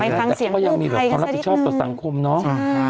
ไปฟังเสียงผู้ภัยกันสักนิดนึงแต่ก็ยังมีความรับผิดชอบต่อสังคมเนอะ